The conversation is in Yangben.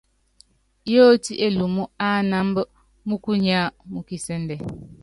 Yóoti Elumú ánámb múkunyá mú kisɛ́ndɛ.